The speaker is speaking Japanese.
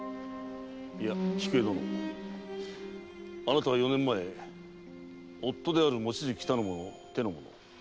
いや菊絵殿あなたは四年前夫である望月頼母の手の者